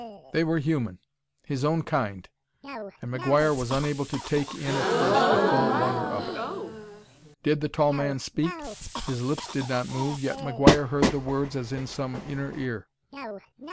They were human his own kind! and McGuire was unable to take in at first the full wonder of it. Did the tall man speak? His lips did not move, yet McGuire heard the words as in some inner ear.